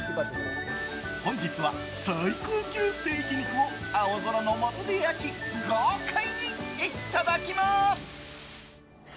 本日は、最高級ステーキ肉を青空の下で焼き豪快にいただきます！